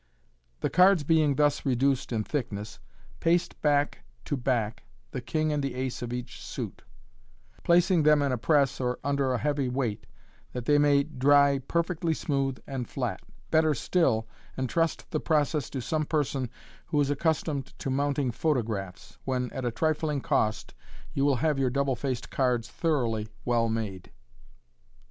The cards being thus reduced in thickness, paste back to back the king and ace of each suit, placing them in a press or under a heavy weight, that they may dry perfectly smooth and flat Better still, entrust the process to some person who is accustomed to mounting photographs, when, at a trifling cost, you will have your double faced cards thoroughly well made.